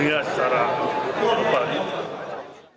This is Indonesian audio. biar secara berpikir